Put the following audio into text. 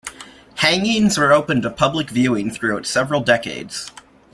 Hangings were open to public viewing throughout several decades.